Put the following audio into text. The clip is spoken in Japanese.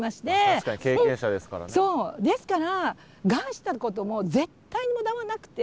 ですからがんしたことも絶対に無駄はなくて。